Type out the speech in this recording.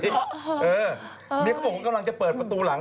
นี่เขาบอกว่ากำลังจะเปิดประตูหลัง